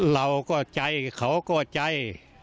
เราก็ใจเขาก็ใจ